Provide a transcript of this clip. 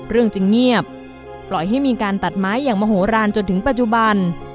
เรื่องจึงเงียบปล่อยให้มีการตัดไม้อย่างมโหลานจนถึงปัจจุบัน